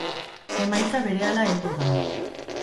Emaitza berehala heldu da.